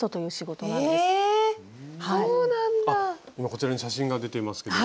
今こちらに写真が出ていますけれども。